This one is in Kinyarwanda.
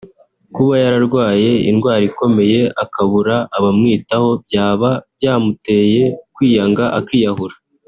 Kuba yararwaye indwara ikomeye akabura abamwitaho byaba byamuteye kwiyanga akiyahura”